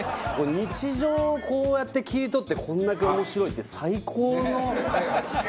日常をこうやって切り取ってこんだけ面白いって最高のお笑い。